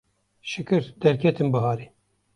Şikir derketim biharê